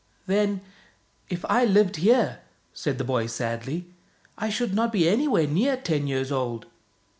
" Then if I lived here," said the boy sadly, " I should not be anywhere near ten years old.